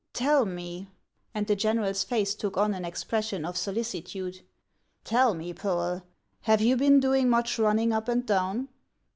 Tell me," and the general's face took on an expression of solicitude, "tell me, Poel, have you been doing much running up and down